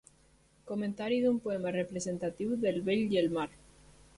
Comentari d'un poema representatiu de El vell i el mar.